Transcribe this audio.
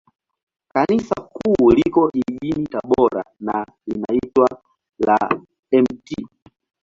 Kanisa Kuu liko jijini Tabora, na linaitwa la Mt.